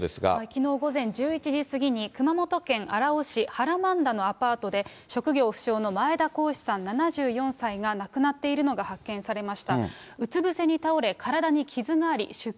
きのう午前１１時過ぎに、熊本県荒尾市原万田のアパートで、職業不詳の前田好志さん７４歳が亡くなっているのが発見されました。